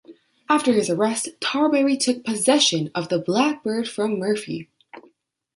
After his arrest, Tarberry took possession of the "Blackbird" from Murphy.